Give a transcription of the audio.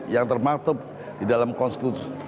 yang termaktub di dalam konstitusi